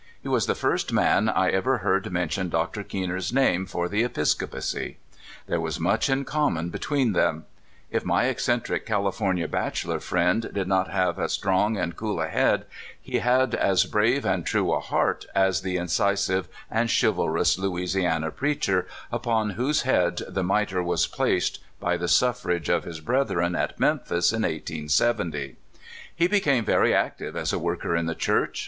He was the first man I ever heard mention Dr. Keener's name for the episcopacy. There was much in common be tween them. If my eccentric California bachelor friend did not have as strong and cool a head, he had as brave and true a heart as the incisive and chivalrous Louisiana preacher, upon whose head the miter was placed by the suffrage of his breth ren at Memphis in 1870. He became very active as a worker in the Church.